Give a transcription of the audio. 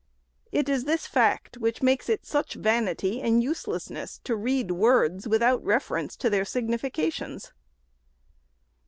It is this fact which makes it such vanity and uselessness to read words, without reference to their significations.